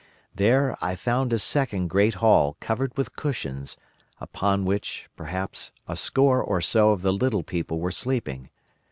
"There I found a second great hall covered with cushions, upon which, perhaps, a score or so of the little people were sleeping.